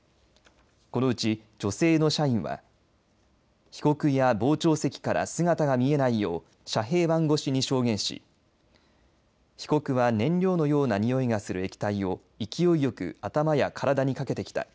このうち女性の社員は被告や傍聴席から姿が見えない遮蔽版越しに証言し被告は燃料のような臭いがする液体を勢いよく、頭や体にかけてきた。